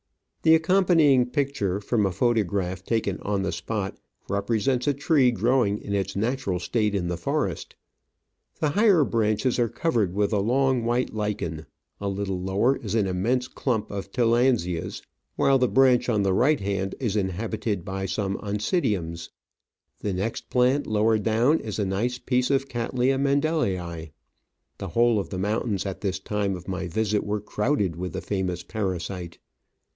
The accompanying picture, from a photograph taken on the spot, represents a tree growing in its natural state in the forest. The higher branches are covered with a long, white lichen ; a little lower is an immense clump of Tillandsias ; while the branch on the right hand is inhabited by some Oncidiums, The next plant, lower down, is a nice piece of Cattleya Mendelii, The whole of the mountains at the time of my visit were crowded with the famous parasite.